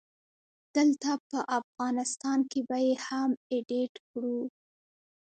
دلته په افغانستان کې به يې هم اډيټ کړو